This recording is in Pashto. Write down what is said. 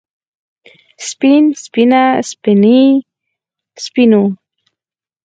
سپين سپينه سپينې سپينو